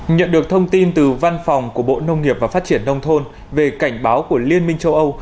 nhận được thông tin từ văn phòng của bộ nông nghiệp và phát triển nông thôn về cảnh báo của liên minh châu âu